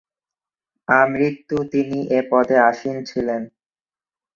আমৃত্যু তিনি এ পদে আসীন ছিলেন।